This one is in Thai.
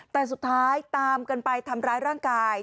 แต่สุดท้ายตามกันไปทำร้ายร่างกาย